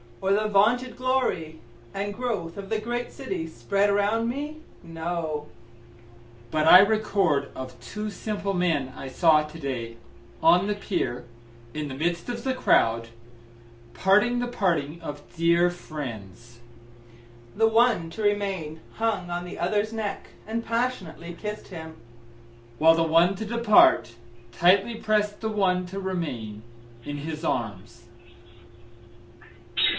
Or the vaunted glory and growth of the great city spread around me?—No; But I record of two simple men I saw to day, on the pier, in the midst of the crowd, parting the parting of dear friends; The one to remain hung on the other's neck, and passionately kiss'd him, While the one to depart, tightly prest the one to remain in his arms.